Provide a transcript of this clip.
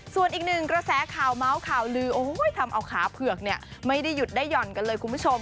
ส่วนอีกหนึ่งกระแสข่าวเมาส์ข่าวลือทำเอาขาเผือกเนี่ยไม่ได้หยุดได้หย่อนกันเลยคุณผู้ชม